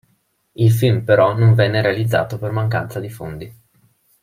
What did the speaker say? Il film però non venne realizzato per mancanza di fondi.